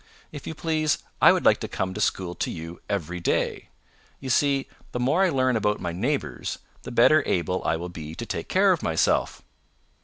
If you please, I would like to come to school to you every day. You see, the more I learn about my neighbors, the better able I will be to take care of myself."